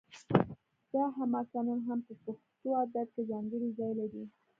دا حماسه نن هم په پښتو ادب کې ځانګړی ځای لري